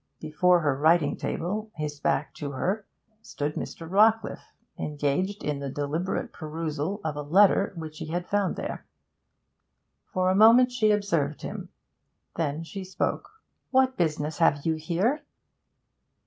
Before her writing table, his back turned to her, stood Mr. Rawcliffe, engaged in the deliberate perusal of a letter which he had found there. For a moment she observed him; then she spoke. 'What business have you here?'